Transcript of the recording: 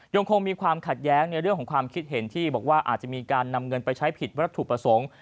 ยังคงมีความขัดแย้งในเรื่องของความคิดเห็นที่บอกว่าอาจจะมีการนำเงินไปใช้ผิดวัตถุประสงค์